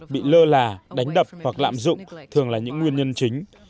bị lơ là đánh đập hoặc lạm dụng thường là những nguyên nhân chính